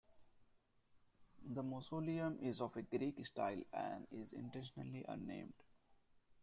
The mausoleum is of a Greek style and is intentionally unnamed.